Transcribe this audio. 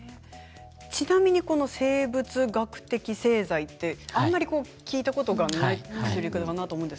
ちなみに生物学的製剤はあまり聞いたことがない薬かなと思います。